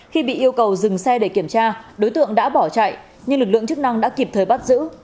khi bị yêu cầu dừng xe để kiểm tra đối tượng đã bỏ chạy nhưng lực lượng chức năng đã kịp thời bắt giữ